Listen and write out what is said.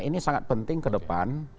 ini sangat penting kedepan